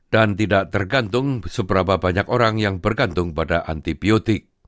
dan tidak tergantung seberapa banyak orang yang bergantung pada antibiotik